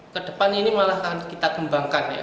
ke depan ini malah akan kita kembangkan ya